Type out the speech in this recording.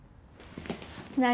何？